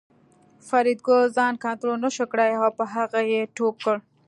فریدګل ځان کنترول نشو کړای او په هغه یې ټوپ کړ